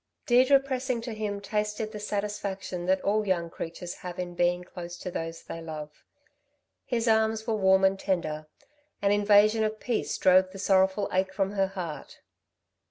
Deirdre, pressing to him, tasted the satisfaction that all young creatures have in being close to those they love. His arms were warm and tender. An invasion of peace drove the sorrowful ache from her heart.